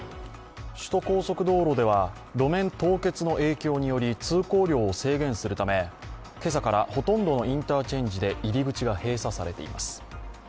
首都高速道路では路面凍結の影響により通行量を制限するため、今朝からほとんどのインターチェンジで入り口が閉鎖されています。